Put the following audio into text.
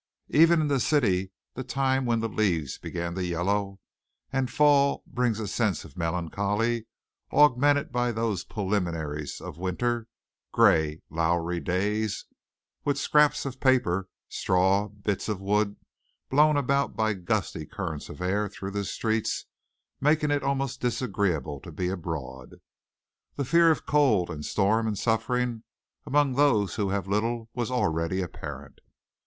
Even in the city the time when the leaves begin to yellow and fall brings a sense of melancholy, augmented by those preliminaries of winter, gray, lowery days, with scraps of paper, straws, bits of wood blown about by gusty currents of air through the streets, making it almost disagreeable to be abroad. The fear of cold and storm and suffering among those who have little was already apparent.